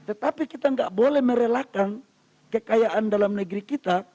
tetapi kita nggak boleh merelakan kekayaan dalam negeri kita